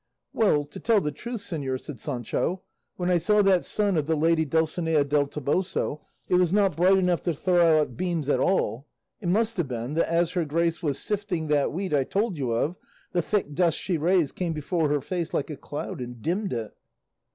"Well, to tell the truth, señor," said Sancho, "when I saw that sun of the lady Dulcinea del Toboso, it was not bright enough to throw out beams at all; it must have been, that as her grace was sifting that wheat I told you of, the thick dust she raised came before her face like a cloud and dimmed it."